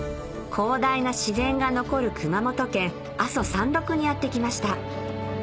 広大な自然が残る熊本県阿蘇山麓にやって来ました